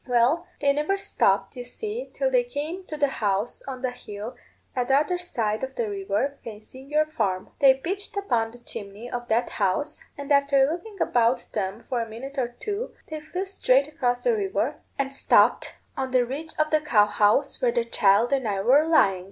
Well, they never stopped, you see, till they came to the house on the hill at the other side of the river, facing our farm. They pitched upon the chimney of that house, and after looking about them for a minute or two, they flew straight across the river, and stopped on the ridge of the cow house where the child and I were lying.